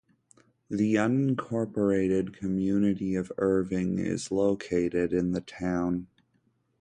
The unincorporated community of Irving is located in the town.